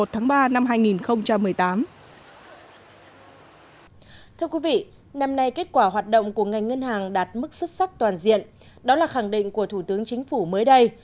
thưa quý vị năm nay kết quả hoạt động của ngành ngân hàng đạt mức xuất sắc toàn diện đó là khẳng định của thủ tướng chính phủ mới đây